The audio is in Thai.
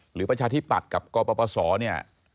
หรือประชาธิปักษ์กับกปศเนี่ย